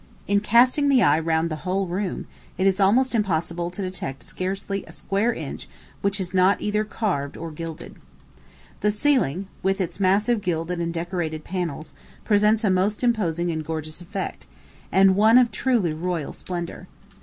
In casting the eye round the whole room, it is almost impossible to detect scarcely a square inch which is not either carved or gilded. The ceiling, with its massive gilded and decorated panels, presents a most imposing and gorgeous effect, and one of truly royal splendor.